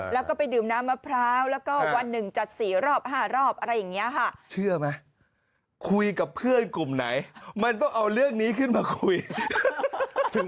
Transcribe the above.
ที่เขาบอกว่าผู้ชายแฟนเขายุ่ง๖๔